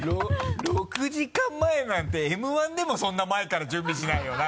６時間前なんてＭ−１でもそんな前から準備しないよな。